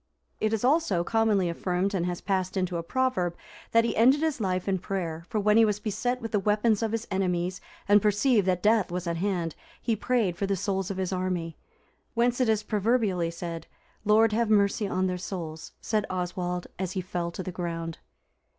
It is also commonly affirmed and has passed into a proverb, that he ended his life in prayer; for when he was beset with the weapons of his enemies, and perceived that death was at hand, he prayed for the souls of his army. Whence it is proverbially said, " 'Lord have mercy on their souls,' said Oswald, as he fell to the ground."